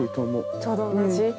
ちょうど同じ？